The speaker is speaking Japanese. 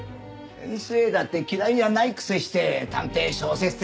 先生だって嫌いじゃないくせして探偵小説的世界観。